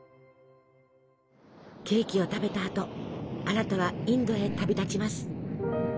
ケーキを食べたあとアラタはインドへ旅立ちます。